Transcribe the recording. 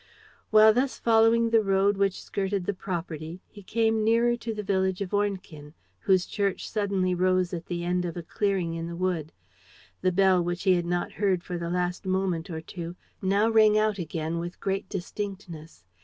While thus following the road that skirted the property, he came nearer to the village of Ornequin, whose church suddenly rose at the end of a clearing in the wood. The bell, which he had not heard for the last moment or two, now rang out again with great distinctness.